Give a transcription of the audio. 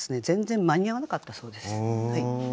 全然間に合わなかったそうです。